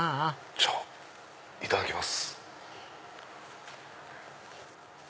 じゃあいただきます。